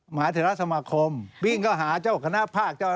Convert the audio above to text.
หมาธรรมคมวิ่งเข้าหาเจ้าคณะภาค